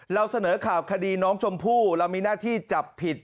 เราเสนอข่าวคดีน้องชมพู่เรามีหน้าที่จับผิด